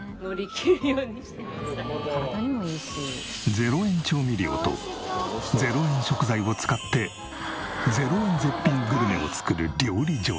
０円調味料と０円食材を使って０円絶品グルメを作る料理上手。